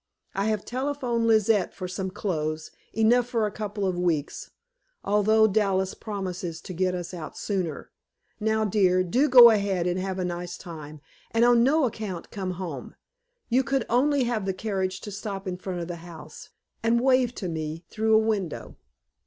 I have telephoned Lizette for some clothes enough for a couple of weeks, although Dallas promises to get us out sooner. Now, dear, do go ahead and have a nice time, and on no account come home. You could only have the carriage to stop in front of the house, and wave to me through a window.